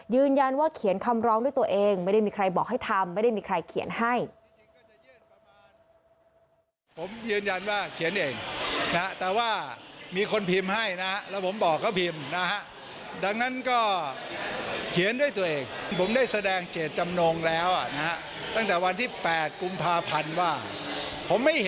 ยืนยันว่าเขียนคำร้องด้วยตัวเองไม่ได้มีใครบอกให้ทำไม่ได้มีใครเขียนให้